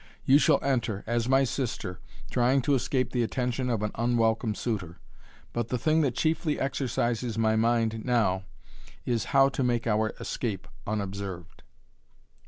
You shall enter as my sister, trying to escape the attention of an unwelcome suitor. But the thing that chiefly exercises my mind now is how to make our escape unobserved."